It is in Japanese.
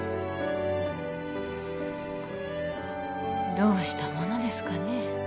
どうしたものですかね？